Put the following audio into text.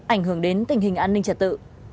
ảnh hưởng đến tình hình an ninh trật tự